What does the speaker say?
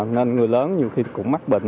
nên người lớn nhiều khi cũng mắc bệnh